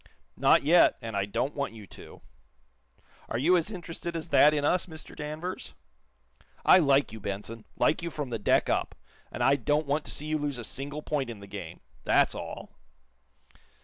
"Not yet, and I don't want you to." "Are you as interested as that in us, Mr. Danvers?" "I like you, Benson like you from the deck up, and I don't want to see you lose a single point in the game. That's all."